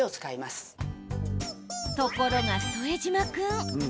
ところが、副島君。